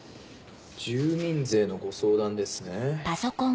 住民税のご相談ですね。